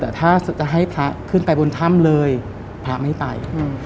แต่ถ้าจะให้พระขึ้นไปบนถ้ำเลยพระไม่ไป